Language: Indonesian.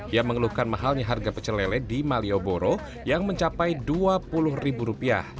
yang mengeluhkan mahalnya harga pecelele di malioboro yang mencapai dua puluh ribu rupiah